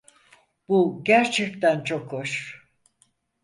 Bu gerçekten çok hoş.